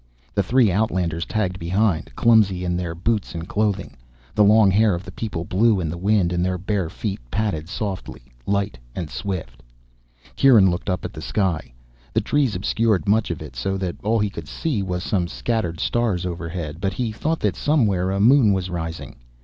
The three outlanders tagged behind, clumsy in their boots and clothing. The long hair of the people blew in the wind and their bare feet padded softly, light and swift. Kieran looked up at the sky. The trees obscured much of it so that all he could see was some scattered stars overhead. But he thought that somewhere a moon was rising.